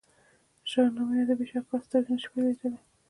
د شاهنامې ادبي شهکار سترګې نه شي پټېدلای.